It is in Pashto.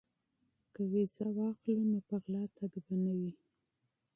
که ویزه واخلو نو قاچاق نه کیږو.